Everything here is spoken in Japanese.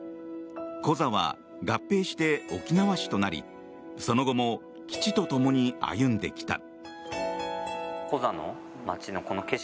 コザは合併して沖縄市となりその後も基地と共に歩んできた。